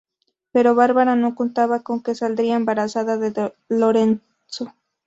Pero Bárbara no contaba con que saldría embarazada de Lorenzo.